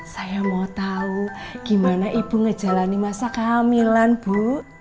saya mau tahu gimana ibu ngejalani masa kehamilan bu